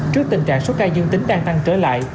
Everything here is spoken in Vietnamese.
trước tình trạng số ca dương tính đang tăng trở lại